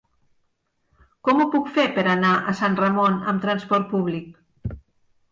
Com ho puc fer per anar a Sant Ramon amb trasport públic?